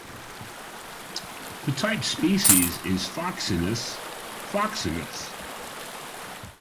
The type species is "Phoxinus phoxinus".